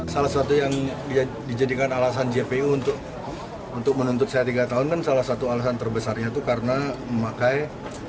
salah satu yang dijadikan alasan jpu untuk menuntut saya tiga tahun kan salah satu alasan terbesarnya itu karena memakai